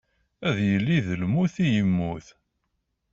Ad yili d lmut i yemmut.